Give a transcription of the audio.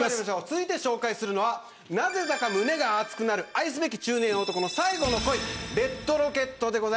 続いて紹介するのはなぜだか胸が熱くなる愛すべき中年男の最後の恋ＲＥＤＲＯＣＫＥＴです。